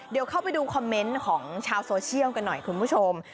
เดี๋ยวเข้าไปดูคอมเมนต์ของชาวโซเชียลกันหน่อยคุณผู้ชม